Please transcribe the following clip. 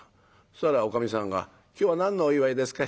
そしたらおかみさんが「今日は何のお祝いですか？